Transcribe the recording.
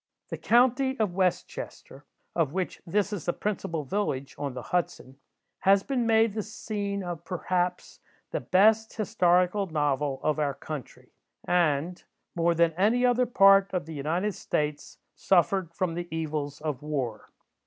The county of West Chester, of which this is the principal village on the Hudson, has been made the scene of, perhaps, the best historical novel of our country, and, more than any other part of the United States, suffered from the evils of war.